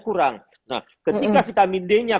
kurang nah ketika vitamin d nya